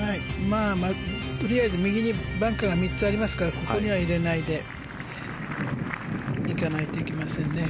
とりあえず右にバンカーが３つありますからここには入れないで行かないといけませんね。